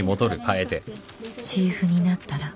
チーフになったら